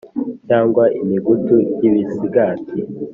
cyangwa imigutu y'ibisigati